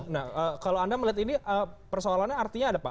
nah kalau anda melihat ini persoalannya artinya ada pak